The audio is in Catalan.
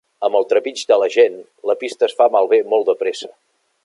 Amb el trepig de la gent, la pista es fa malbé molt de pressa.